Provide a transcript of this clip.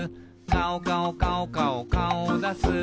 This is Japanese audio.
「かおかおかおかおかおをだす」